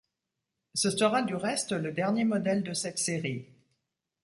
Ce sera du reste le dernier modèle de cette série.